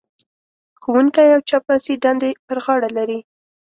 ښوونکی او چپړاسي دندې پر غاړه لري.